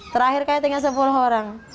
terakhir kayak tinggal sepuluh orang